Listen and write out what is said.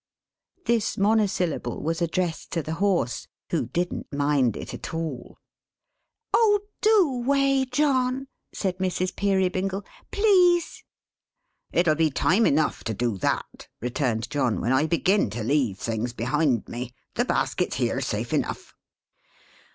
This monosyllable was addressed to the Horse, who didn't mind it at all. "Oh do Way, John!" said Mrs. Peerybingle. "Please!" "It'll be time enough to do that," returned John, "when I begin to leave things behind me. The basket's here, safe enough."